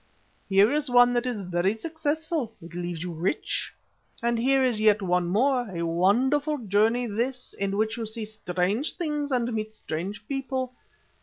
"Here is one that is very successful, it leaves you rich; and here is yet one more, a wonderful journey this in which you see strange things and meet strange people.